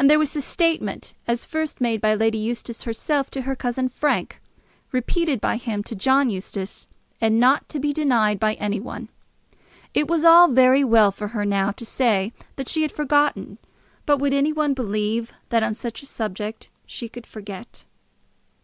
And there was the statement as first made by Lady Eustace herself to her cousin Frank, repeated by him to John Eustace, and not to be denied by any one. It was all very well for her now to say that she had forgotten; but would any one believe that on such a subject she could forget?